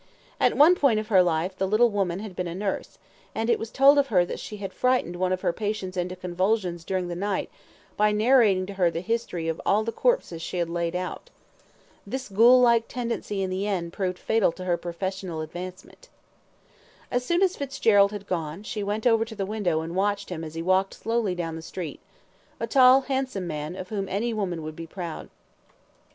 At one period of her life, the little woman had been a nurse, and it was told of her that she had frightened one of her patients into convulsions during the night by narrating to her the history of all the corpses she had laid out. This ghoul like tendency in the end proved fatal to her professional advancement. As soon as Fitzgerald had gone, she went over to the window and watched him as he walked slowly down the street a tall, handsome man, of whom any woman would be proud.